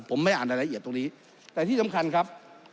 ผมไม่อ่านรายละเอียดตรงนี้แต่ที่สำคัญครับ